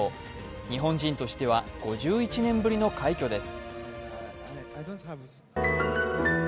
日本人としては５１年ぶりの快挙です。